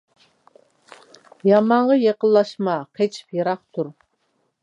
يامانغا يېقىنلاشما قېچىپ يىراق تۇر.